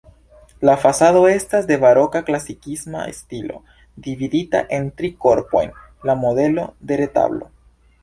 La fasado estas de baroka-klasikisma stilo, dividita en tri korpojn la modelo de retablo.